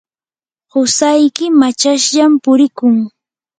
qusayki machashllam purikun.